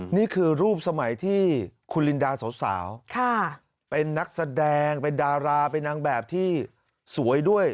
นี่คือรูปสมัยที่คุณลินดาสาวเป็นนักแสดงเป็นดาราเป็นนางแบบที่สวยด้วย